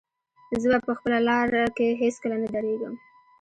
زه به په خپله لاره کې هېڅکله نه درېږم.